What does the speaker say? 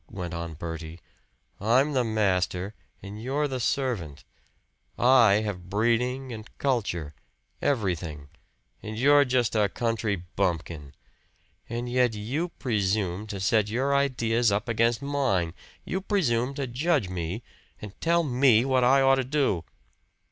went on Bertie. "I'm the master, and you're the servant. I have breeding and culture everything and you're just a country bumpkin. And yet you presume to set your ideas up against mine! You presume to judge me, and tell me what I ought to do!"